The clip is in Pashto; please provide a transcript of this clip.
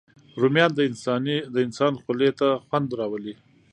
رومیان د انسان خولې ته خوند راولي